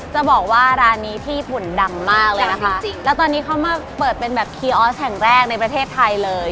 จะบอกว่าร้านนี้ที่ญี่ปุ่นดังมากเลยนะคะจริงแล้วตอนนี้เขามาเปิดเป็นแบบคีย์ออสแห่งแรกในประเทศไทยเลย